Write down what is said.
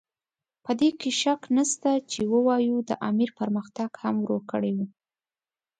په دې کې شک نشته چې واورو د امیر پرمختګ هم ورو کړی وو.